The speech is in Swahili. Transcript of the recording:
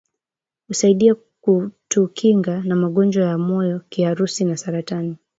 Husaidia kutukinga na magonjwa ya moyo kiharusi na saratani